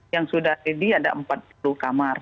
yang sudah ready ada empat puluh kamar